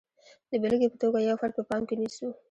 د بېلګې په توګه یو فرد په پام کې نیسو.